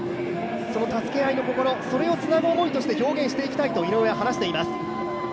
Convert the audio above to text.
その助け合いの心それをツナグ想いとして表現していきたいんだと井上は話しています。